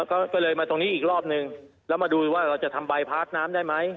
ก็เลยมาตรงนี้อีกรอบนึงแล้วมาดูว่าเราจะทำใบพาร์ทน้ำได้ไหม